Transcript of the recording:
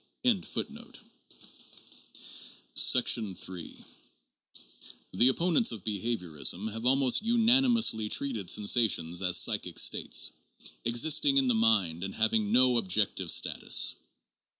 178 JOURNAL OF PHILOSOPHY III The opponents of behaviorism have almost unanimously treated sensations as "psychic states" existing in the mind and having no objective status.